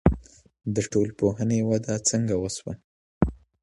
د ټولنپوهنې وده څنګه وسوه؟